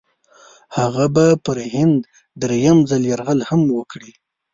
هغه به پر هند درېم ځل یرغل هم وکړي.